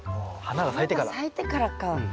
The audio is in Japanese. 花が咲いてからか。